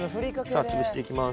さあ潰していきます。